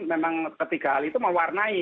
memang ketiga hal itu mewarnai